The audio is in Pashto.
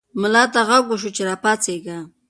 ملا ته غږ وشو چې راپاڅېږه.